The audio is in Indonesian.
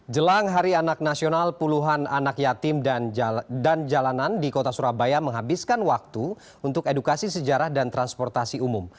jelang hari anak nasional puluhan anak yatim dan jalanan di kota surabaya menghabiskan waktu untuk edukasi sejarah dan transportasi umum